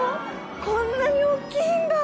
こんなに大っきいんだ。